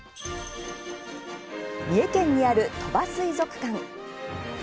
三重県にある鳥羽水族館。